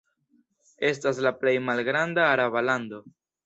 Estas la plej malgranda araba lando.